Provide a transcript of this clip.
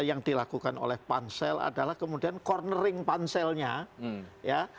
yang dilakukan oleh pansel adalah kemudian cornering panselnya ya